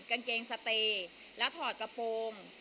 กางเกงสเตย์แล้วถอดกระโปรง